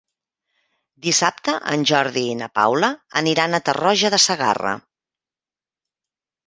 Dissabte en Jordi i na Paula aniran a Tarroja de Segarra.